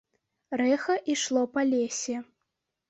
Рэха ішло па лесе.